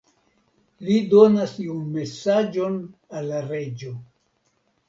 Li donas iun mesaĝon al la reĝo.